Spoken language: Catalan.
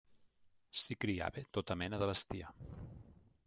S'hi criava tota mena de bestiar.